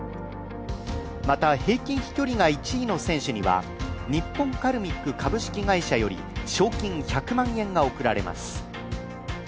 また、平均飛距離が１位の選手には日本カルミック株式会社より賞金１００万円が贈られます。